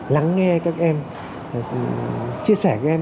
lắng nghe các em chia sẻ cho các em